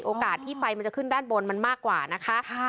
โอกาสที่ไฟมันจะขึ้นด้านบนมันมากกว่านะคะ